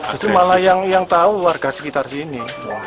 justru malah yang tahu warga sekitar sini